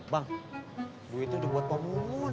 bang duit itu udah buat pak bungun